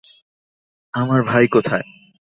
আমার ভাই কোথায়?